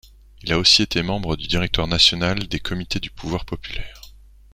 Il a aussi été membre du Directoire National des Comités du Pouvoir Populaire.